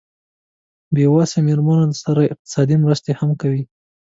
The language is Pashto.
بې وسه مېرمنو سره اقتصادي مرستې هم کوي.